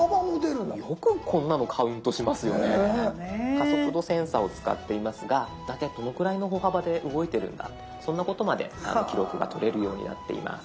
加速度センサーを使っていますが大体どのくらいの歩幅で動いてるんだそんなことまで記録がとれるようになっています。